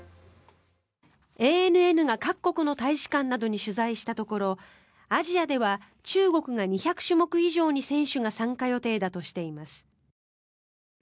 ＡＮＮが各国の大使館などに取材したところアジアでは中国が２００種目以上に選手が参加予定だとしています。